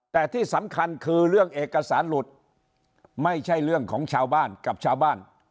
แต่ที่สำคัญคือเรื่องเอกสารหลุดไม่ใช่เรื่องของชาวบ้านกับชาวบ้าน